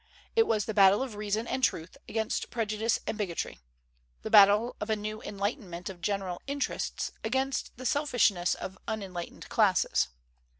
It was the battle of reason and truth against prejudice and bigotry, the battle of a new enlightenment of general interests against the selfishness of unenlightened classes.